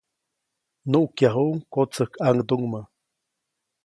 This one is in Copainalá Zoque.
Nuʼkyajuʼuŋ kotsäjkʼaŋduŋmä.